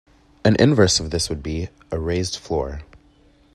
An inverse of this would be a raised floor.